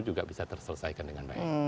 juga bisa terselesaikan dengan baik